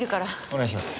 お願いします。